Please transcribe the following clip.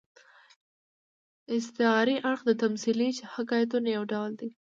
استعاري اړخ د تمثيلي حکایتونو یو ډول دئ.